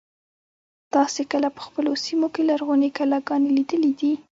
تاسې کله په خپلو سیمو کې لرغونې کلاګانې لیدلي دي.